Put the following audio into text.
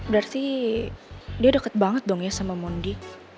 berarti dia deket banget dong ya sama mondi